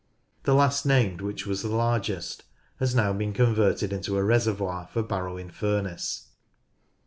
The last named, which was the largest, has now been converted into a reservoir for Barrow in Furness.